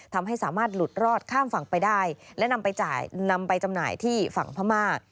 ทำให้สามารถหลุดรอดข้ามฝั่งไปได้และนำไปจ่ายนำไปจำหน่ายที่ฝั่งพม่า